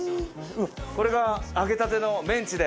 これが揚げたてのメンチで。